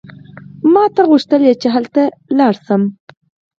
ما ته غوښتل چې هلته لاړ شم.